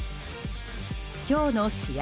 今日の試合